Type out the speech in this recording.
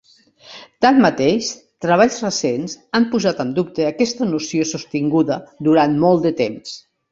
Tanmateix, treballs recents ha posat en dubte aquesta noció sostinguda durant molt de temps.